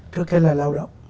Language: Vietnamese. trước khi là lao động